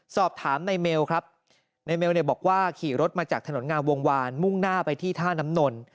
สอบถามในเมลครับในเมลเนี่ยบอกว่าขี่รถมาจากถนนงามวงวานมุ่งหน้าไปที่ท่าน้ำนน